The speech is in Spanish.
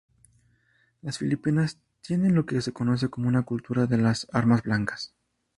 Las Filipinas tienen lo que se conoce como una cultura de las armas blancas.